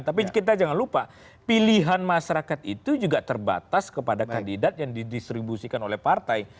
tapi kita jangan lupa pilihan masyarakat itu juga terbatas kepada kandidat yang didistribusikan oleh partai